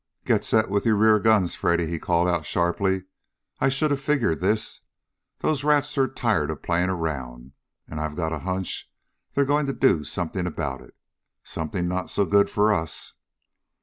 "Get set with your rear guns, Freddy!" he called out sharply. "I should have figured this. Those rats are tired of playing around, and I've got a hunch they're going to do something about it. Something not so good for us."